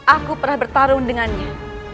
aku pernah bertarung dengannya